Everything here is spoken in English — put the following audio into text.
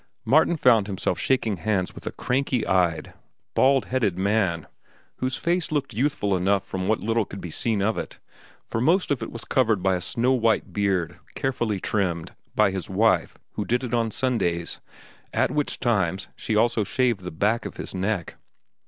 Martin found himself shaking hands with a cranky eyed, bald headed man, whose face looked youthful enough from what little could be seen of it, for most of it was covered by a snow white beard, carefully trimmed—by his wife, who did it on Sundays, at which times she also shaved the back of his neck.